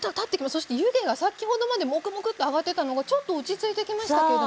そして湯気が先ほどまでもくもくっと上がってたのがちょっと落ち着いてきましたけれども。